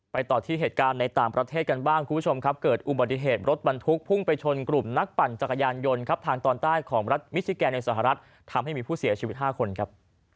ต่อที่เหตุการณ์ในต่างประเทศกันบ้างคุณผู้ชมครับเกิดอุบัติเหตุรถบรรทุกพุ่งไปชนกลุ่มนักปั่นจักรยานยนต์ครับทางตอนใต้ของรัฐมิซิแกนในสหรัฐทำให้มีผู้เสียชีวิต๕คนครับ